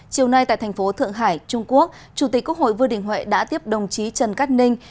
chiều nay tại thành phố thượng hải trung quốc chủ tịch quốc hội vương đình huệ đã tiếp đồng chí trần cát ninh